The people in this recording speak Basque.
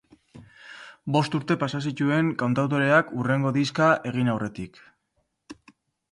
Bost urte pasa zituen kantautoreak hurrengo diskoa egin aurretik.